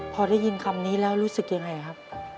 พอได้ยินคำนี้แล้วรู้สึกยังไงครับ